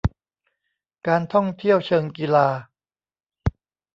การท่องเที่ยวเชิงกีฬา